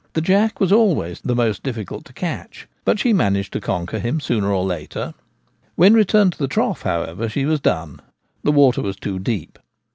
The jack was always the most difficult to catch, but she managed to conquer him sooner or later. When returned to the trough, however, she was done — the water was too deep.